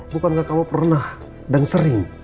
bukan gak kamu pernah dan sering